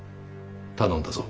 頼んだぞ。